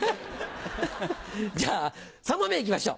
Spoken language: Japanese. じゃあ、３問目いきましょう。